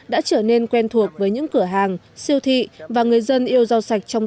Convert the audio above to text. đã trở nên quen thuộc với những cửa hàng siêu thị và người dân yêu rau sạch trong